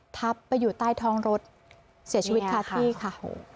ทับไปอยู่ใต้ท้องรถเสียชีวิตคาที่ค่ะ